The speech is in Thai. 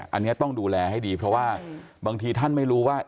อันนี้ต้องดูแลให้ดีเพราะว่าบางทีท่านไม่รู้ว่า